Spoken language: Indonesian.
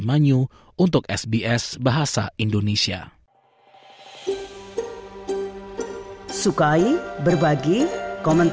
dan membantu mereka untuk mengingatkan anak muda